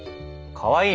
かわいい。